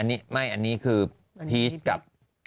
อันนี้ไม่อันนี้คือพีชกับ